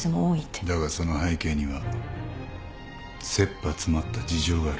だがその背景には切羽詰まった事情がある。